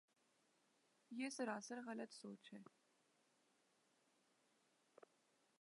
یہ سراسر غلط سوچ ہے۔